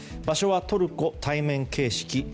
場所はトルコ、対面形式。